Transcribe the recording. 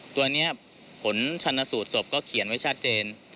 ตัวนี้ผลชนสูตรศพก็เขียนไว้ชัดเจน